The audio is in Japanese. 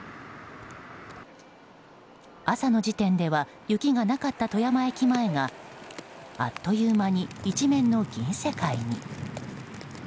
朝の時点では雪がなかった富山駅前があっという間に一面の銀世界に。